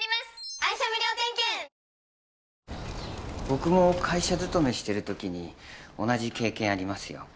僕も会社勤めしてるときに同じ経験ありますよ。